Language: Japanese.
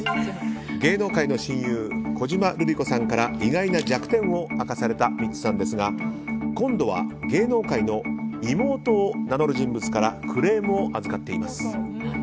芸能界の親友小島瑠璃子さんから意外な弱点を明かされたミッツさんですが今度は芸能界の妹を名乗る人物からクレームを預かっています。